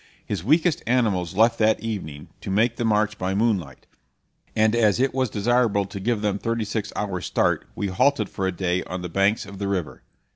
His weakest animals left that evening, to make the march by moonlight; and as it was desirable to give them thirty six hours' start, we halted for a day on the banks of the river.